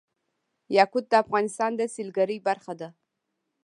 یاقوت د افغانستان د سیلګرۍ برخه ده.